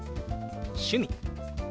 「趣味」。